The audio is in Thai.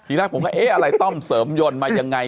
แรกผมก็เอ๊ะอะไรต้อมเสริมยนต์มายังไง